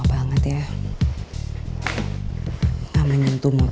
pada masa itu lihat